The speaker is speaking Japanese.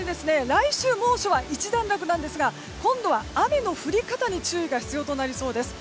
来週、猛暑は一段落なんですが今度は雨の降り方に注意が必要となりそうです。